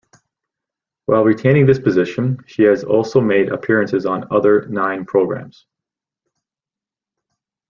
While retaining this position, she has also made appearances on other Nine programs.